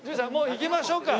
行きましょう。